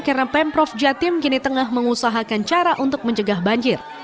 karena pemprov jatim kini tengah mengusahakan cara untuk mencegah banjir